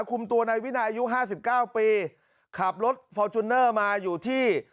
คุมตัวนายวินัยอายุห้าสิบเก้าปีขับรถฟอร์จูเนอร์มาอยู่ที่